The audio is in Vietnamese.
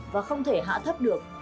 và không thể hạ thấp được